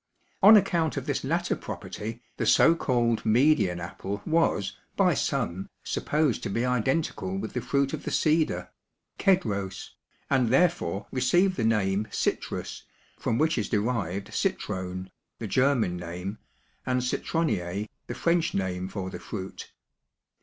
On account of this latter property the so called Median apple was, by some, supposed to be identical with the fruit of the cedar (Kedros) and therefore received the name "Citrus" from which is derived "citrone," the German name, and "citronnier," the French name for the fruit.